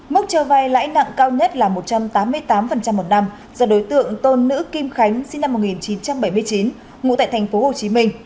mức cho vay lãi nặng cao nhất là một trăm tám mươi tám một năm do đối tượng tôn nữ kim khánh sinh năm một nghìn chín trăm bảy mươi chín ngụ tại tp hcm